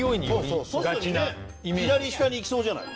左下にいきそうじゃない。